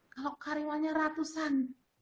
kalau karyawannya ratusan